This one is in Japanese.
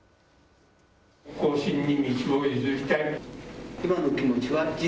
後進に道を譲りたい。